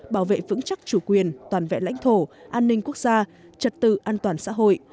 bảo vệ vững chắc chủ quyền toàn vẹn lãnh thổ an ninh quốc gia trật tự an toàn xã hội